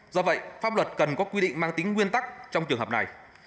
do vậy pháp luật cần có quy định mang tính nguyên tắc trong trường hợp này